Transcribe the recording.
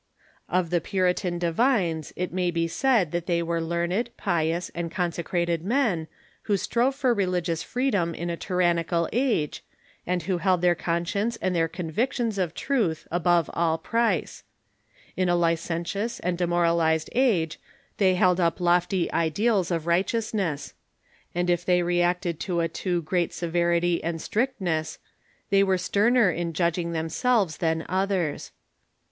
Of the Puritan divines it may be said that they Avere learned, pious, and consecrated men, who strove for religious freedom „..... in a tyrannical age, and who held their conscience Characteristics j o 7 of the Puritan and their convictions of truth above all price. In Leaders ^ licentious and demoralized age they held up lof ty ideals of righteousness ; and if they reacted to a too great severity and strictness, they were sterner in judging them selves than others.